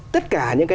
tất cả những cái